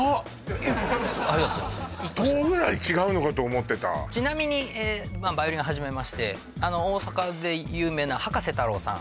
十ぐらい違うのかと思ってたちなみにヴァイオリンを始めまして大阪で有名な葉加瀬太郎さん